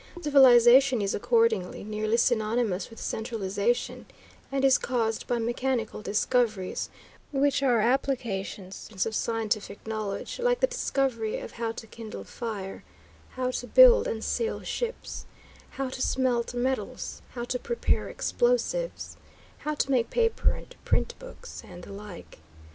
Civilization is accordingly nearly synonymous with centralization, and is caused by mechanical discoveries, which are applications of scientific knowledge, like the discovery of how to kindle fire, how to build and sail ships, how to smelt metals, how to prepare explosives, how to make paper and print books, and the like.